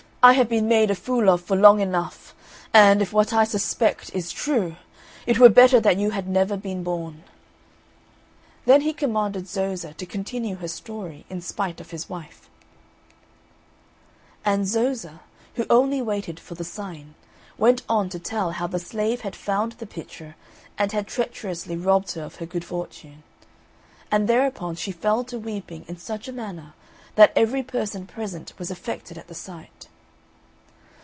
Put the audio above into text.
I have been made a fool of for long enough, and, if what I suspect is true, it were better that you had never been born." Then he commanded Zoza to continue her story in spite of his wife; and Zoza, who only waited for the sign, went on to tell how the Slave had found the pitcher and had treacherously robbed her of her good fortune. And, thereupon, she fell to weeping in such a manner, that every person present was affected at the sight.